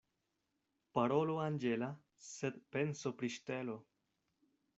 Parolo anĝela, sed penso pri ŝtelo.